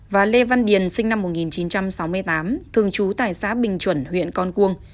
và lê văn điền sinh năm một nghìn chín trăm sáu mươi tám thường trú tại xã bình chuẩn huyện con cuông